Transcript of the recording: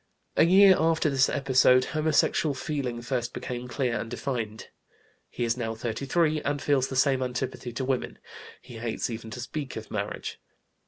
A year after this episode homosexual feeling first became clear and defined. He is now 33, and feels the same antipathy to women; he hates even to speak of marriage.